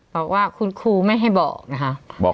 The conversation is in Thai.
บอกว่าคุณครูไม่ให้บอกนะคะ